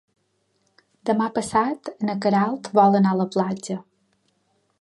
Demà passat na Queralt vol anar a la platja.